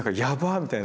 みたいな。